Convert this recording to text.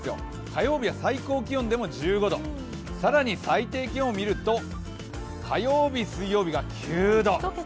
火曜日は最高気温でも１５度、更に最低気温を見ると、火曜日、水曜日が９度。